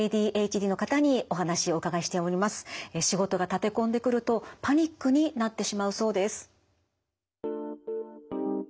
仕事が立て込んでくるとパニックになってしまうそうです。